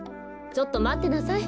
ちょっとまってなさい。